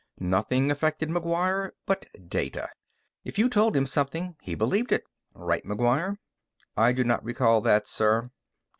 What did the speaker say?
Nothing affected McGuire but data. If you told him something, he believed it. Right, McGuire?" "I do not recall that, sir."